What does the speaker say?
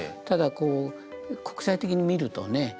ただ国際的に見るとね